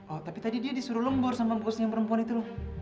oh tapi tadi dia disuruh lembur sama bosnya perempuan itu